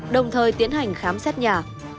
đồng thời tiến hành khám xét nhà